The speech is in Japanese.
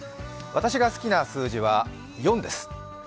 私が好きな数字は４です。